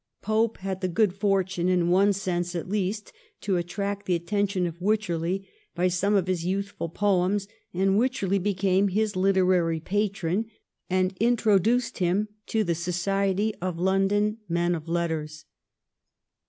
Pope had the good fortune, in one sense at least, to attract the atten tion of Wycherley by some of his youthful poems, and Wycherley became his literary patron, and introduced him to the society of London men of letters.